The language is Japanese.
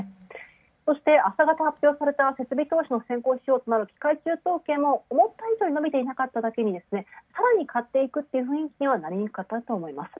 そして、朝方発表された設備投資の先行指標となる最終統計も思った以上に伸びておらずさらに買っていくという雰囲気にはなりにくかったと思います。